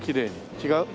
違う？